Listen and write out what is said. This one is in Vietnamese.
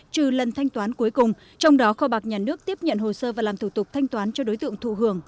trừ lần thanh toán cuối cùng trong đó kho bạc nhà nước tiếp nhận hồ sơ và làm thủ tục thanh toán cho đối tượng thụ hưởng